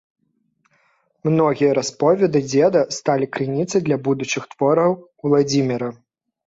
Многія расповеды дзеда сталі крыніцай для будучых твораў Уладзіміра